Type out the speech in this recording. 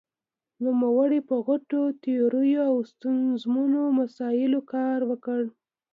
نومړې په غټو تیوریو او ستونزمنو مسايلو کار وکړ.